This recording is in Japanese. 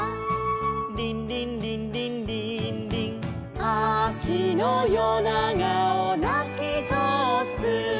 「リンリンリンリンリインリン」「秋のよながをなきとおす」